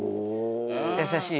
優しい？